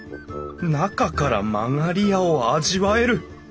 中から曲り家を味わえる。